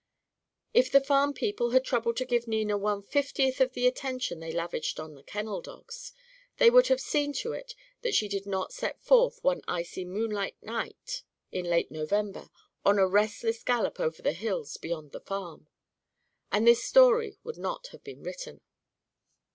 If the farm people had troubled to give Nina one fiftieth of the attention they lavished on the kennel dogs, they would have seen to it that she did not set forth, one icy moonlight night in late November, on a restless gallop over the hills beyond the farm. And this story would not have been written.